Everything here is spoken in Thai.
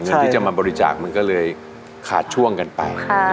เงินที่จะมาบริจาคมันก็เลยขาดช่วงกันไป